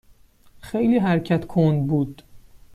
خیلی حرکت کند بود.